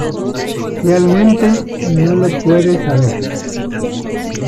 Realmente, no lo puedes saber.